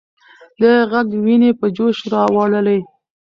د هغې ږغ ويني په جوش راوړلې.